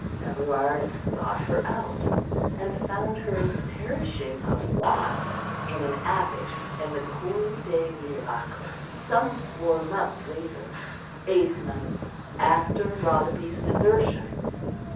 Everard sought her out, and found her perishing of want in an attic in the Cour des Miracles some four months later eight months after Rotherby's desertion.